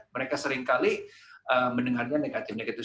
mereka seringkali mendengarnya negatifnya gitu